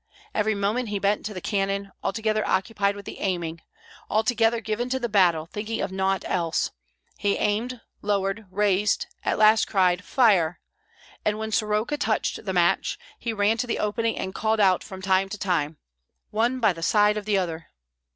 Every moment he bent to the cannon, altogether occupied with the aiming, altogether given to the battle, thinking of naught else; he aimed, lowered, raised, at last cried, "Fire!" and when Soroka touched the match, he ran to the opening and called out from time to time, "One by the side of the other!"